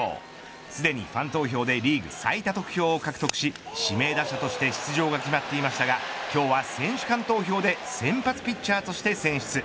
すでにファン投票でリーグ最多得票を獲得し指名打者として出場が決まっていましたが今日は選手間投票で先発ピッチャーとして選出。